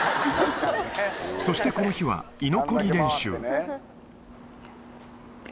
そしてこの日は、居残り練習。